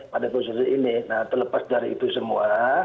pada posisi ini nah terlepas dari itu semua